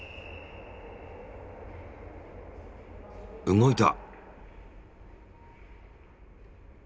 動いた！